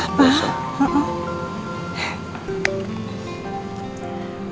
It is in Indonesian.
nanti aku mau ke kondisi dia